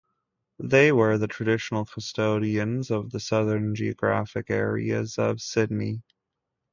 They were the traditional custodians of the southern geographic areas of Sydney.